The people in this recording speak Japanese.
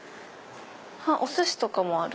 おすしとかもある。